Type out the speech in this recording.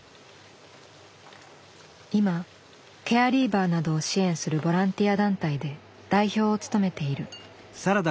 今ケアリーバーなどを支援するボランティア団体で代表を務めている。